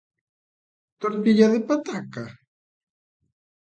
Tortilla de pataca?